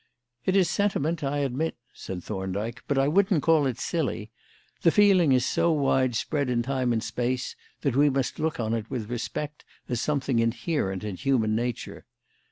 "It is sentiment, I admit," said Thorndyke, "but I wouldn't call it silly. The feeling is so widespread in time and space that we must look on it with respect as something inherent in human nature.